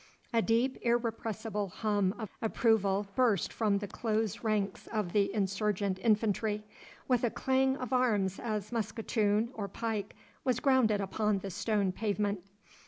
A deep irrepressible hum of approval burst from the close ranks of the insurgent infantry, with a clang of arms as musquetoon or pike was grounded upon the stone pavement.